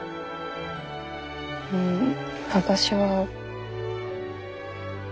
うん私は。